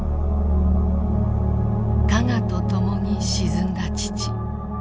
「加賀」とともに沈んだ父。